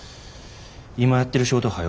今やってる仕事はよ